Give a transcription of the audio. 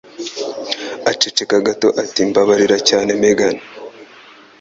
Aceceka gato ati: "Mbabarira cyane, Megan".